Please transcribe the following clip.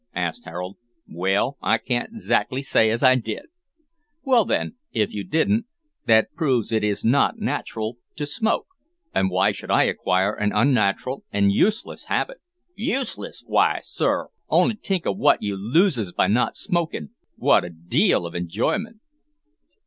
asked Harold. "Well, I can't 'zactly say as I did." "Well, then, if you didn't, that proves that it is not natural to smoke, and why should I acquire an unnatural and useless habit?" "Useless! why, sir, on'y think of wot you loses by not smokin' wot a deal of enjoyment!"